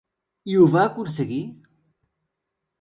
I ho va aconseguir?